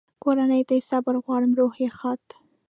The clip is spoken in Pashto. کورنۍ ته یې صبر غواړم، روح یې ښاد.